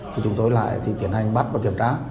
thì chúng tôi lại thì tiến hành bắt và kiểm tra